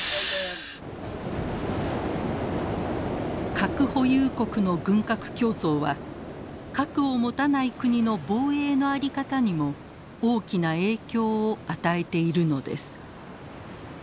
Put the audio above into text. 核保有国の軍拡競争は核を持たない国の防衛の在り方にも大きな影響を与えているのです。